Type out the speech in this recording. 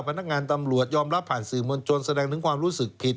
พนักงานตำรวจยอมรับผ่านสื่อมวลชนแสดงถึงความรู้สึกผิด